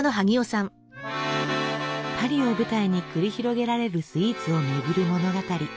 パリを舞台に繰り広げられるスイーツを巡る物語。